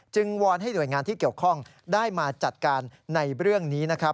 วอนให้หน่วยงานที่เกี่ยวข้องได้มาจัดการในเรื่องนี้นะครับ